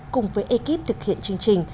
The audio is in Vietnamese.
cùng với ekip thực hiện chương trình